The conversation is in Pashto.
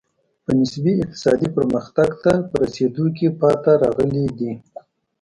په نسبي اقتصادي پرمختګ ته په رسېدو کې پاتې راغلي دي.